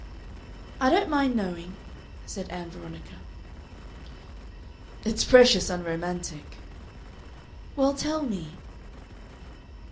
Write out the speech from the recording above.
"I don't mind knowing," said Ann Veronica. "It's precious unromantic." "Well, tell me."